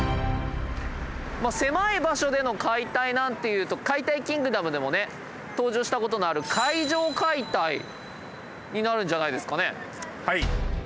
まあ狭い場所での解体なんていうと「解体キングダム」でもね登場したことのある「階上解体」になるんじゃないですかね。